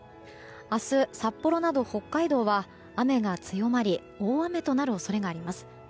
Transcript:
明日、札幌など北海道は雨が強まり大雨となる恐れがあります。